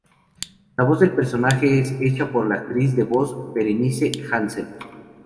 La voz del personaje es hecha por la actriz de voz Bernice Hansen.